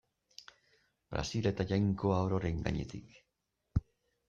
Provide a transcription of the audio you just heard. Brasil eta Jainkoa ororen gainetik.